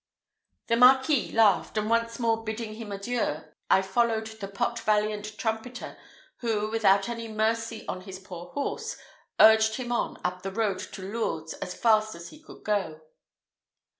The Marquis laughed; and once more bidding him adieu, I followed the pot valiant trumpeter, who, without any mercy on his poor horse, urged him on upon the road to Lourdes as fast as he could go.